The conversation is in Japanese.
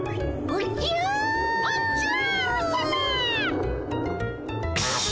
おじゃ！